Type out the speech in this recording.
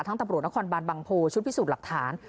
ทั้งตำรวจนครบานบางโพชุทธิ์วิสุทธิ์หลักฐาน